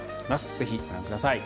ぜひ、ご覧ください。